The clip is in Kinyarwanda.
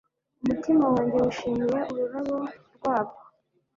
umutima wanjye wishimiye ururabo rwabwo